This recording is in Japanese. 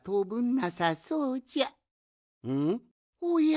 おや？